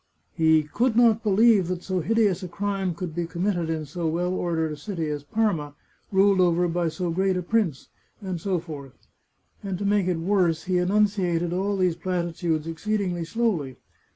He " could not believe that so hideous a crime could be committed in so well ordered a city as Parma, ruled over by so great a prince," and so forth. And to make it worse, he enunciated all these platitudes exceedingly slowly.